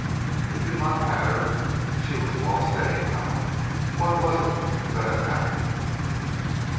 It did not matter. She was lost, anyhow. What was it that had happened?